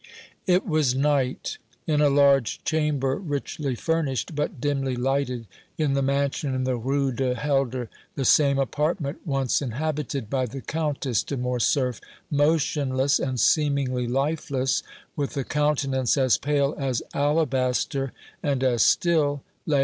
It was night. In a large chamber, richly furnished, but dimly lighted, in the mansion in the Rue du Helder, the same apartment once inhabited by the Countess de Morcerf, motionless, and seemingly lifeless, with a countenance as pale as alabaster, and as still, lay M.